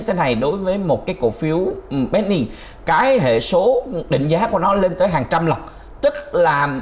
thế này đối với một cái cổ phiếu bedin cái hệ số định giá của nó lên tới hàng trăm lần tức là